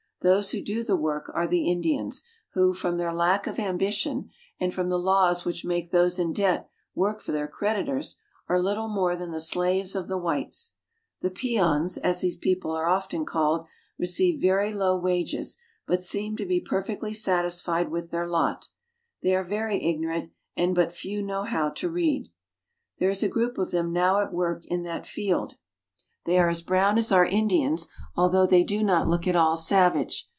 Those who do the work are the Indians, who, from their lack of ambition, and from the laws which make those in debt work for their creditors, are little more than the slaves of the Peons in Ponchos and Rebosas. whites. The peons, as these people are often called, receive very low wages, but seem to be perfectly satisfied with their lot. They are very ignorant, and but few know how to read. There is a group of them now at work in that field. 56 PERU. They are as brown as our Indians, although they do not look at all savage.